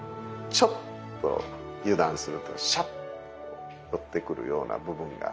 ちょっと油断するとシャッと寄ってくるような部分があって。